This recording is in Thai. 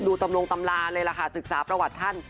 ตำรงตำราเลยล่ะค่ะศึกษาประวัติท่าน